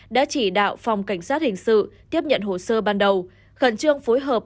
đã chỉ đạo phòng cảnh sát hình sự tiếp nhận hồ sơ ban đầu khẩn trương phối hợp